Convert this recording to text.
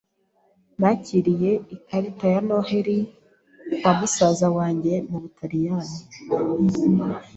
Nakiriye ikarita ya Noheri kwa musaza wanjye mu Butaliyani.